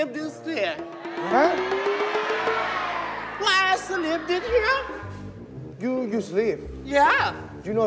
ไปต้องไปเมื่อไหร่